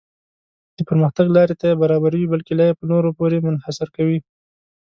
د پرمختګ لارې ته یې برابروي بلکې لا یې په نورو پورې منحصر کوي.